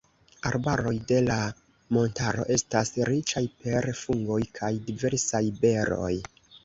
Arbaroj de la montaro estas riĉaj per fungoj kaj diversaj beroj.